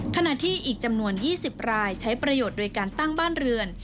ขณะที่อีกจำนวน๒๐รายใช้ประโยชน์โดยการตั้งบ้านเรือน